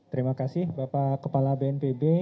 terima kasih bapak kepala bnpb